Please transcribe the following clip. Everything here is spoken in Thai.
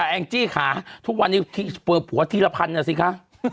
แองจี้ขาทุกวันนี้เปิดผัวทีละพันน่ะสิคะ